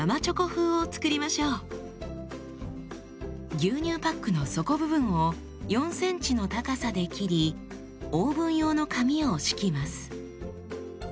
牛乳パックの底部分を４ｃｍの高さで切りオーブン用の紙を敷きます。